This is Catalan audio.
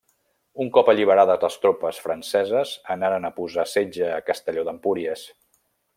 Un cop alliberades les tropes franceses anaren a posar setge a Castelló d'Empúries.